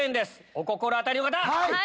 お心当たりの方！